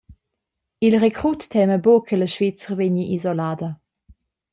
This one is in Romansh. Il recrut tema buca che la Svizra vegni isolada.